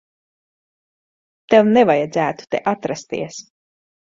Tev nevajadzētu te atrasties.